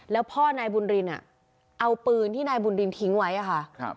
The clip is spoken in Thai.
แล้วพ่อนายบุญรินเอาปืนที่นายบุญรินทิ้งไว้ค่ะ